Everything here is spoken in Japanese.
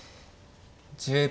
１０秒。